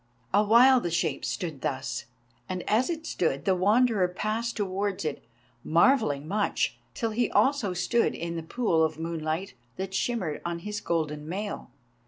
Awhile the shape stood thus, and as it stood, the Wanderer passed towards it, marvelling much, till he also stood in the pool of moonlight that shimmered on his golden mail.